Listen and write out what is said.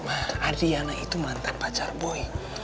ma adriana itu mantan pacar boy